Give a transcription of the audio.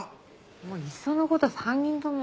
もういっその事３人とも。